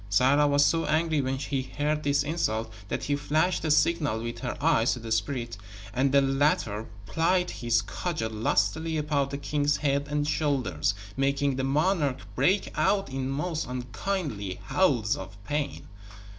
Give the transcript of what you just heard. Sarah was so angry when she heard this insult that she flashed a signal with her eyes to the spirit, and the latter plied his cudgel lustily about the king's head and shoulders, making the monarch break out in most unkingly howls of pain.